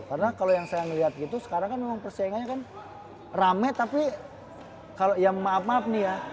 karena kalau yang saya ngeliat gitu sekarang kan persaingannya kan rame tapi ya maaf maaf nih ya